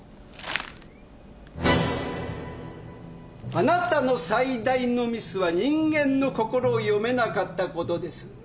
あなたの最大のミスは人間の心を読めなかったことです。